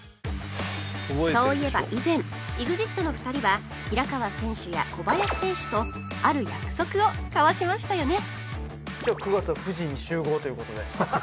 そういえば以前 ＥＸＩＴ の２人は平川選手や小林選手とある約束を交わしましたよね？